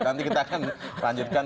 nanti kita akan lanjutkan